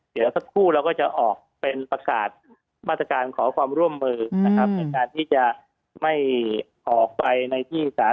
เดี๋ยวสักครู่เราก็จะออกเป็นประกาศมาตรการขอความร่วมมือนะครับในการที่จะไม่ออกไปในที่สาร